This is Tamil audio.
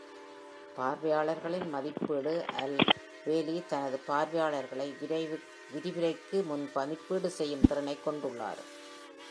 பார்வையாளர்களின் மதிப்பீடு: அல்-வேலி தனது பார்வையாளர்களை விரிவுரைக்கு முன் மதிப்பீடு செய்யும் திறனைக் கொண்டுள்ளார்.